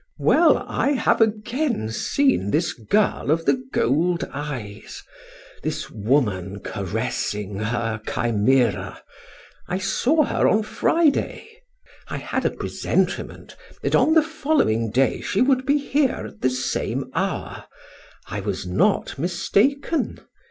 Well, I have again seen this girl of the gold eyes, this woman caressing her chimera. I saw her on Friday. I had a presentiment that on the following day she would be here at the same hour; I was not mistaken.